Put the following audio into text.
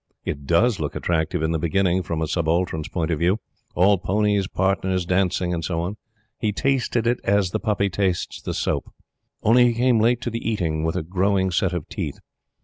It DOES look attractive in the beginning, from a Subaltern's point of view all ponies, partners, dancing, and so on. He tasted it as the puppy tastes the soap. Only he came late to the eating, with a growing set of teeth.